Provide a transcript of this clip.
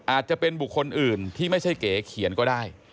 อาจจะเป็นบุคคลอื่นที่ไม่ใช่เก๋เขียนก็ได้